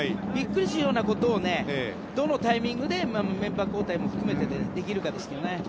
ビックリするようなことをどのタイミングでメンバー交代も含めてできるかですね。